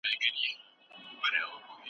موټر چلونکی د خپلې سوارلۍ په تمه ناست دی.